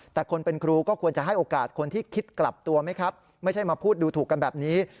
แต่คนเป็นครูก็ควรจะให้โอกาสคนที่คิดกลับตัวไหมครับไม่ใช่มาพูดดูถูกกันแบบนี้